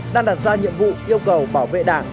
đang đặt ra nhiệm vụ yêu cầu bảo vệ đảng